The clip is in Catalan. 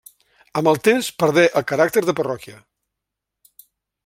Amb el temps perdé el caràcter de parròquia.